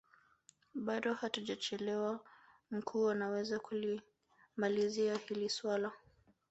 bado hatujachelewa mkuu unaweza kulimalizia hili suala